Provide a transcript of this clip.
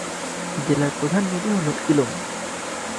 জেলার প্রধান নদী হল ইলম।